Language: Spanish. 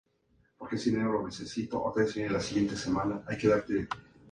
Seguidamente ingresó al reality show "Titanes".